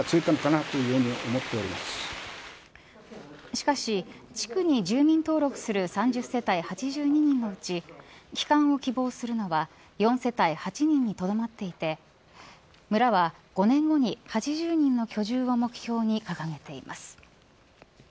しかし地区に住民登録する３０世帯８２人のうち帰還を希望するのは４世帯８人にとどまっていて村は５年後に８０人の居住を目標に掲げています。